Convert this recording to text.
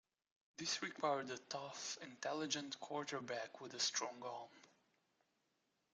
This required a tough, intelligent quarterback with a strong arm.